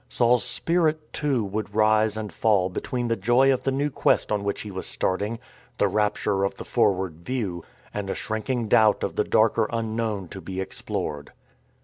Saul's spirit, too, would rise and fall between the joy of the new quest on which he was starting, "the rapture of the forward view," and a shrinking doubt of the darker unknown to be explored.